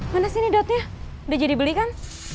mana sini dotnya udah jadi beli kan